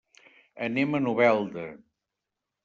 Anem a Novelda.